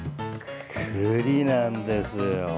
栗なんですよ。